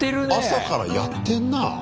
朝からやってんな。